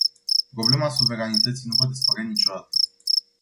Problema suveranității nu va dispărea niciodată.